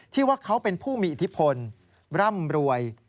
ที่ว่าเขาเป็นผู้มีอิทธิพลร่ำรวย